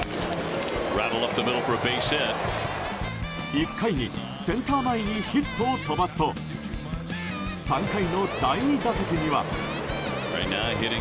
１回にセンター前にヒットを飛ばすと３回の第２打席には。